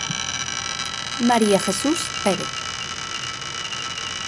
María Jesús Pérez.